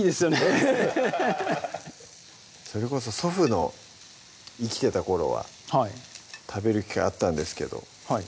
アハハハッそれこそ祖父の生きてた頃は食べる機会あったんですけどはい